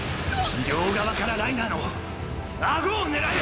両側からライナーの顎を狙え！！